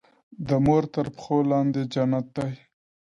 د مور تر پښو لاندي جنت دی.